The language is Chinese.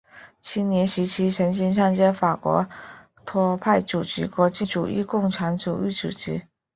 青年时期曾经参加法国托派组织国际主义共产主义组织。